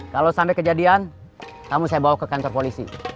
kalau sampai kejadian kamu saya bawa ke kantor polisi